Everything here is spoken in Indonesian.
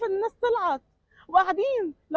saya tidak tahu apakah orang orang keluar